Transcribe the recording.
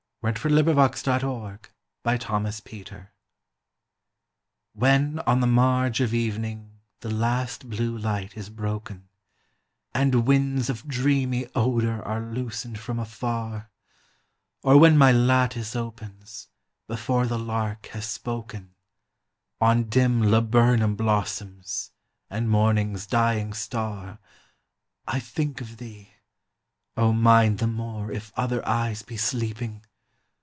When on the Marge of Evening WHEN on the marge of evening the last blue light is broken, And winds of dreamy odor are loosened from afar, Or when my lattice opens, before the lark has spoken, On dim laburnum blossoms, and morning's dying star, I think of thee, (O mine the more if other eyes be sleeping!)